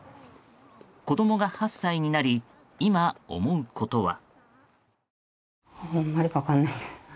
子供が８歳になり今、思うことは。